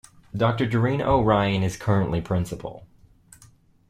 Doctor Doreen O. Ryan is currently Principal.